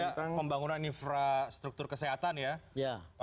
ada pembangunan infrastruktur kesehatan ya pak bupati